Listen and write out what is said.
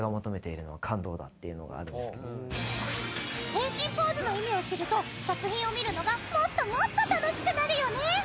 変身ポーズの意味を知ると作品を見るのがもっともっと楽しくなるよね！